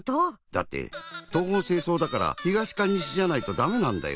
だって東奔西走だから東か西じゃないとだめなんだよ。